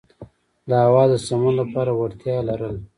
د هوا د سمون لپاره وړتیا یې لرله.